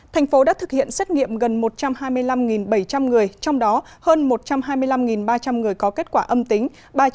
thành phố đã thực hiện xét nghiệm gần một trăm hai mươi năm bảy trăm linh người trong đó hơn một trăm hai mươi năm ba trăm linh người có kết quả âm tính